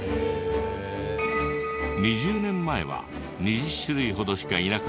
２０年前は２０種類ほどしかいなかったメダカですが。